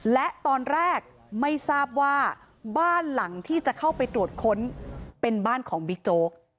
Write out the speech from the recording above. และตอนแรกไม่ทราบว่าบ้านหลังที่จะเข้าไปตรวจค้นเป็นบ้านของบิ๊กโจ๊ก